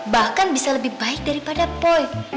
bahkan bisa lebih baik daripada poin